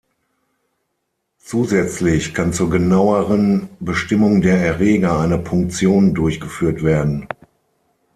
Zusätzlich kann zur genaueren Bestimmung der Erreger eine Punktion durchgeführt werden.